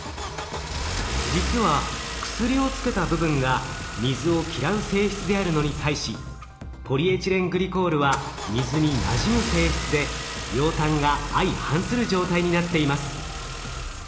実は薬をつけた部分が水を嫌う性質であるのに対しポリエチレングリコールは水になじむ性質で両端が相反する状態になっています。